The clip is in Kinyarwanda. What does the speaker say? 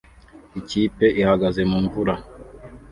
Ikipe ihagaze mu mvura